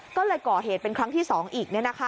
ก็เลยก่อเหตุเป็นครั้งที่๒อีก